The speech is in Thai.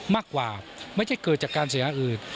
มากกว่าไม่ใช่เกิดจากการสัญญาณอื่น